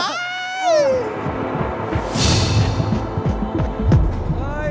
เราแบ่งแม่ง